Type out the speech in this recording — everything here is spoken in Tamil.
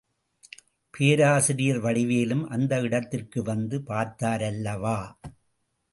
பேராசிரியர் வடிவேலும் அந்த இடத்திற்கு வந்து பார்த்தாரல்லவா?